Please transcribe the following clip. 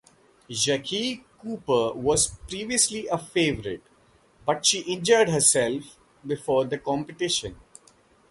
Jacqui Cooper was previously a favourite, but she injured herself before the competition.